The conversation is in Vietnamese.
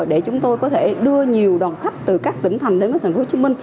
để chúng tôi có thể đưa nhiều đoàn khách từ các tỉnh thành đến tp hcm